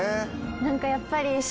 何かやっぱり。